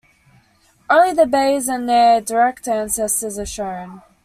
Only the Beys and their direct ancestors are shown.